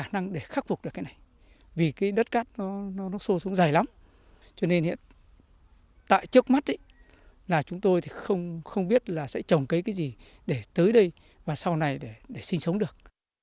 nên hiện tại trước mắt là chúng tôi không biết là sẽ trồng cái gì để tới đây và sau này để sinh sống được